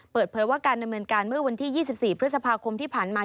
เปิดเผยว่าการดำเนินการเมื่อวันที่๒๔พฤษภาคมที่ผ่านมา